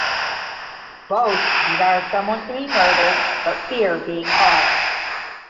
Both desire someone to be murdered but fear being caught.